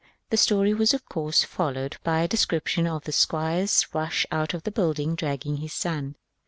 The story was of course followed by a description of the squire's rush out of the building, dragging his son.